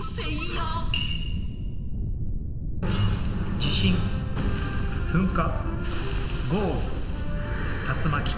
地震噴火豪雨竜巻。